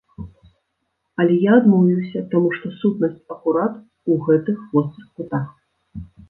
Але я адмовіўся, таму што сутнасць акурат у гэтых вострых кутах.